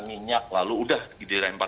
minyak lalu udah dirempar